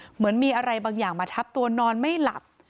เหมือนมีอะไรบางอย่างมาทับตัวนอนไม่หลับ